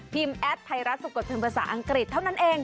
พิมพ์แอดไทยรัฐสังกรรมภาษาอังกฤษเท่านั้นเอง